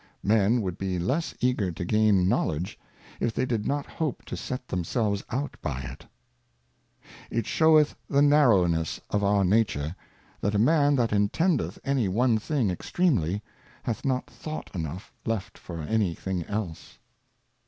Men would be less eager to gain Knowledge, if they did not hope to set themselves out by it. It sheweth the Narrowness of our Nature, that a Man that intendeth any one thing extreamly, hath not Thought enough left for any thing else.